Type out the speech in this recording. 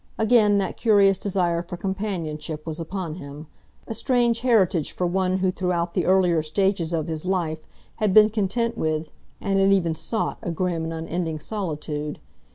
Again that curious desire for companionship was upon him, a strange heritage for one who throughout the earlier stages of his life had been content with and had even sought a grim and unending solitude.